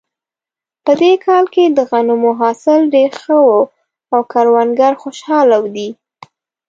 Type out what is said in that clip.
په دې کال کې د غنمو حاصل ډېر ښه و او کروندګر خوشحاله دي